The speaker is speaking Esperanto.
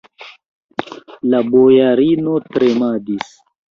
La bojarino tremadis.